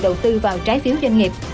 đầu tư vào trái phiếu doanh nghiệp